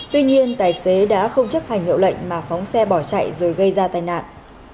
tuy nhiên tài xế đã không chấp hành hiệu lệnh mà phóng xe bỏ chạy rồi gây ra tai nạn